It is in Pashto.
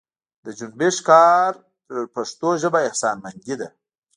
د جنبش کار پر پښتو ژبه احسانمندي ده.